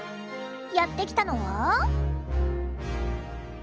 やって来たのは。